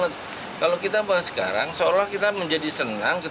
tapi apa yang siap pak